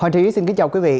hoàng trí xin kính chào quý vị